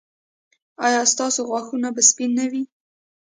ایا ستاسو غاښونه به سپین نه وي؟